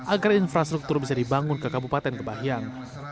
agar infrastruktur bisa dibangun ke kabupaten kebahiang